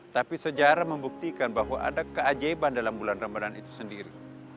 tapi sejarah membuktikan bahwa ada keajaiban dalam bulan ramadhan itu sendiri